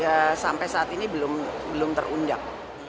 ya sampai saat ini belum terundang